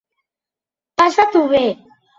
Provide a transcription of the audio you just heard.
Passa-t'ho bé.